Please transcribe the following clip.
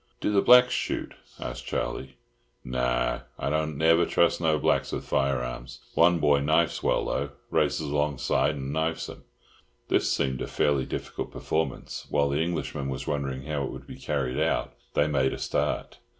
"Do the blacks shoot?" asked Charlie. "No, I don't never trust no blacks with firearms. One boy knifes well, though. Races alongside and knifes 'em." This seemed a fairly difficult performance; while the Englishman was wondering how it would be carried out, they made a start.